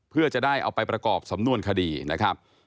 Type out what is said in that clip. เพื่อจะได้เอาไปประกอบสำนวนคดีนะครับ